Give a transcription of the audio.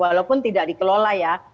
walaupun tidak dikelola ya